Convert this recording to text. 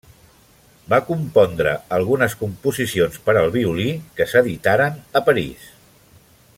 Va compondre algunes composicions per al violí, que s'editaren a París.